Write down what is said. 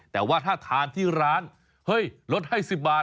แต่ว่าถ้าทานที่ร้านเฮ้ยลดให้๑๐บาท